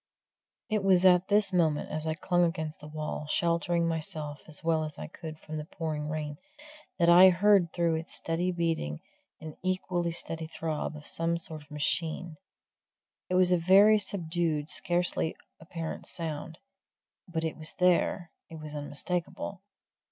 It was at this moment, as I clung against the wall, sheltering myself as well as I could from the pouring rain, that I heard through its steady beating an equally steady throb as of some sort of machine. It was a very subdued, scarcely apparent sound, but it was there it was unmistakable.